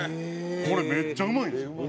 これめっちゃうまいんですよ。